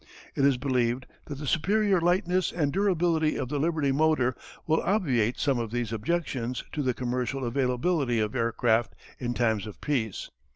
It is believed that the superior lightness and durability of the Liberty motor will obviate some of these objections to the commercial availability of aircraft in times of peace.